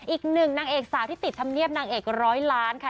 อีกหนึ่งนางเอกสาวที่ติดธรรมเนียบนางเอกร้อยล้านค่ะ